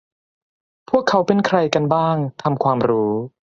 พวกเขาเป็นใครกันบ้าง ทำความรู้